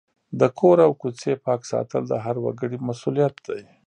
د کور او کوڅې پاک ساتل د هر وګړي مسؤلیت دی.